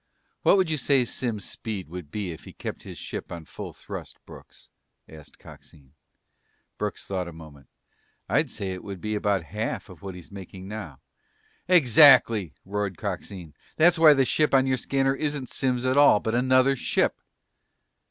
"What would you say Simms' speed would be if he kept his ship on full thrust, Brooks?" asked Coxine. Brooks thought a moment. "I'd say it would be about half of what he's making now!" "Exactly!" roared Coxine. "That's why the ship on your scanner isn't Simms' at all, but another ship!"